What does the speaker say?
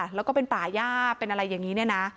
แล้วก็เป็นป่าย่าเป็นอะไรอย่างนี้เนี่ยนะ